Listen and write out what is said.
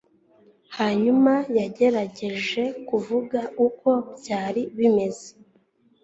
Hanyuma yagerageje kuvuga uko byari bimeze